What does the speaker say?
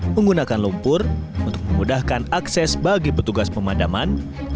menggunakan lumpur untuk memudahkan akses bagi petugas pemadaman